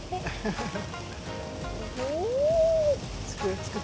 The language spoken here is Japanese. お。